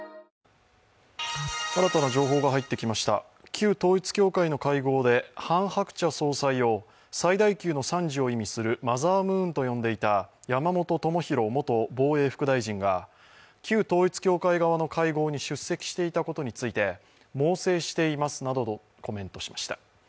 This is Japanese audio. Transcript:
旧統一教会の会合でハン・ハクチャ総裁を最大級の賛辞を意味するマザームーンと呼んでいた山本朋広元防衛副大臣が、旧統一教会側の会合に出席していたことについて猛省していますなどとコメントしました。